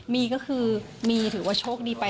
มีก็คือมีถือว่าโชคดีไป